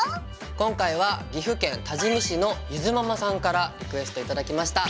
今回は岐阜県多治見市のゆづママさんからリクエスト頂きました。